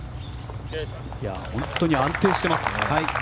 本当に安定していますね。